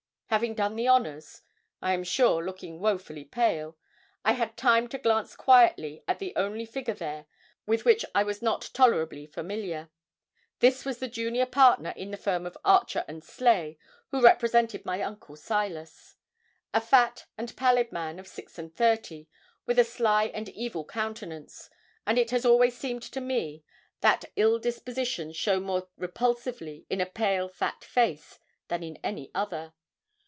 Having done the honours I am sure looking woefully pale I had time to glance quietly at the only figure there with which I was not tolerably familiar. This was the junior partner in the firm of Archer and Sleigh who represented my uncle Silas a fat and pallid man of six and thirty, with a sly and evil countenance, and it has always seemed to me, that ill dispositions show more repulsively in a pale fat face than in any other.